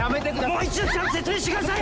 もう一度ちゃんと説明してください！